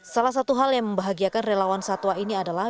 salah satu hal yang membahagiakan relawan satwa ini adalah